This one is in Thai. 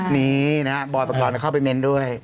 นี่นะฮะบอยประกอบเข้าไปเม้นด้วย